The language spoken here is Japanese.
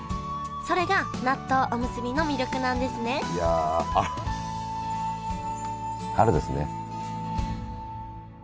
それが納豆おむすびの魅力なんですねいや春ですね。